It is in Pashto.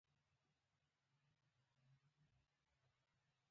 ولې؟ دلته خو به دې نفس نه وي تنګ شوی؟